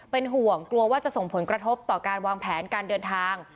เป็นห่วงกลัวว่าจะส่งผลกระทบต่อการวางแผนการเดินทาง